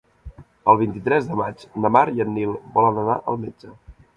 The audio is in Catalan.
El vint-i-tres de maig na Mar i en Nil volen anar al metge.